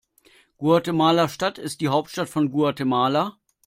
Guatemala-Stadt ist die Hauptstadt von Guatemala.